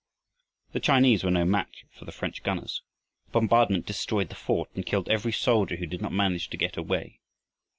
The Chinese were no match for the French gunners. The bombardment destroyed the fort and killed every soldier who did not manage to get away.